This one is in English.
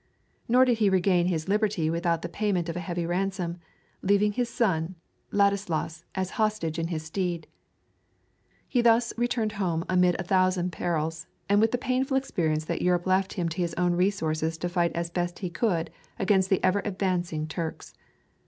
Nor did he regain his liberty without the payment of a heavy ransom, leaving his son, Ladislaus, as hostage in his stead. He thus returned home amid a thousand perils and with the painful experience that Europe left him to his own resources to fight as he best could against the ever advancing Turks.